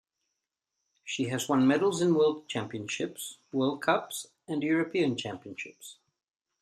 She has won medals in World Championships, World Cups and European Championships.